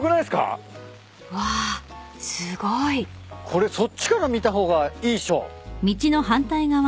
これそっちから見た方がいいっしょ。